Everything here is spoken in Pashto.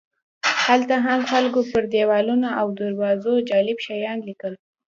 هلته هم خلکو پر دیوالونو او دروازو جالب شیان لیکل.